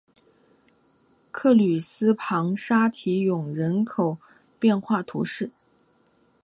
克吕斯旁沙提永人口变化图示